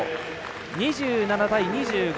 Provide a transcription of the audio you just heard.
２７対２５。